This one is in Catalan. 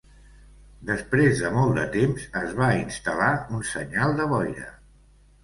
Després de molt de temps, es va instal·lar un senyal de boira.